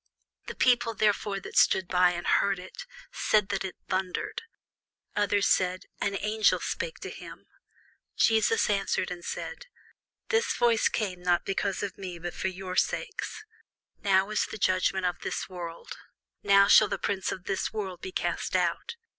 The people therefore, that stood by, and heard it, said that it thundered: others said, An angel spake to him. Jesus answered and said, This voice came not because of me, but for your sakes. Now is the judgment of this world: now shall the prince of this world be cast out.